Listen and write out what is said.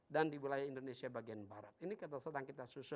dan di wilayah indonesia bagian barat